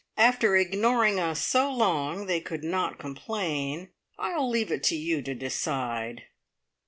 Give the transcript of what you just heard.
After ignoring us so long, they could not complain. I will leave it to you to decide."